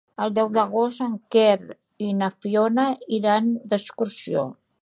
El deu d'agost en Quer i na Fiona iran d'excursió.